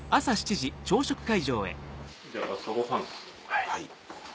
はい。